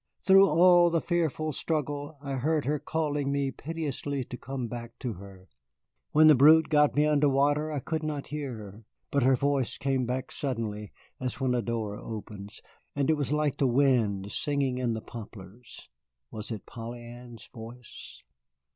Through all the fearful struggle I heard her calling me piteously to come back to her. When the brute got me under water I could not hear her, but her voice came back suddenly (as when a door opens) and it was like the wind singing in the poplars. Was it Polly Ann's voice?